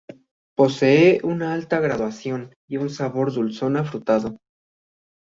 Posee una alta graduación y un sabor dulzón afrutado.